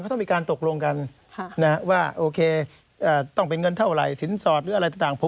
ต้องมีการตกลงกันว่าโอเคต้องเป็นเงินเท่าไหร่สินสอดหรืออะไรต่าง